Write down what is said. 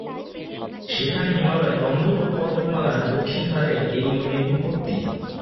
সেখানে হিমালয়ের নন্দ কোট পর্বতমালার দক্ষিণ ঢালে এই নদীর উৎপত্তি।